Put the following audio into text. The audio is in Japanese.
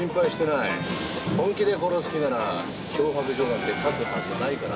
本気で殺す気なら脅迫状なんて書くはずがないがな。